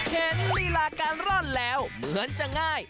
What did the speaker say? ลีลาการร่อนแล้วเหมือนจะง่าย